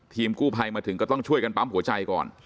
กู้ภัยมาถึงก็ต้องช่วยกันปั๊มหัวใจก่อน